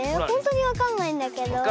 ほんとにわかんないんだけど。